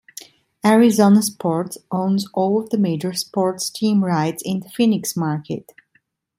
Arizona Sports owns all of the major sports team rights in the Phoenix market.